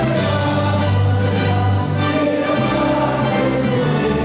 hidup istana yang baik